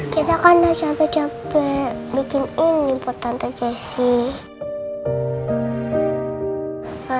kita kan udah capek capek bikin ini buat tante jessy